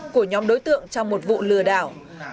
của nhóm đối tượng trong một vụ lừa đảo